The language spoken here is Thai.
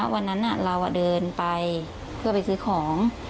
วันนั้นเราเดินไปเพื่อไปซื้อของ